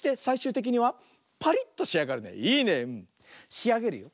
しあげるよ。